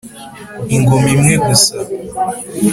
ingoma imwe gusa--